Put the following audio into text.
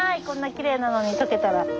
こんなきれいなのに解けたら。